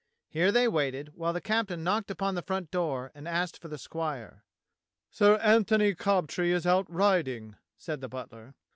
Here they waited while the captain knocked upon the front door and asked for the squire. "Sir Antony Cobtree is out riding," said the butler.